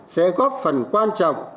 sẽ góp phần quan trọng